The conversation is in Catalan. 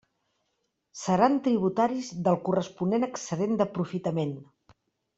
Seran tributaris del corresponent excedent d'aprofitament.